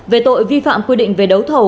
về tội vi phạm quy định về đấu thầu